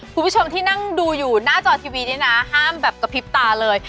คุณผู้ชมที่นั่งดูอยู่หน้าจอทีวีนี่นะห้ามแบบกระพริบตาเลย